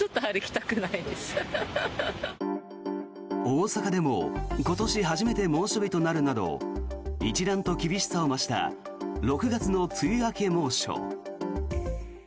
大阪でも今年初めて猛暑日となるなど一段と厳しさを増した６月の梅雨明け猛暑。